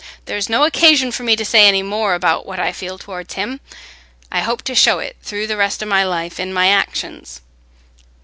There's no occasion for me to say any more about what I feel towards him: I hope to show it through the rest o' my life in my actions."